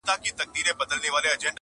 د سل سره اژدها په كور كي غم وو٫